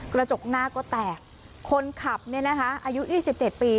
กระจกหน้าก็แตกคนขับเนี่ยนะคะอายุ๒๗ปี